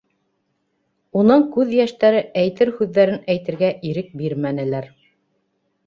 Уның күҙ йәштәре әйтер һүҙҙәрен әйтергә ирек бирмәнеләр.